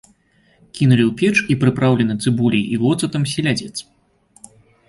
Кінулі ў печ і прыпраўлены цыбуляй і воцатам селядзец.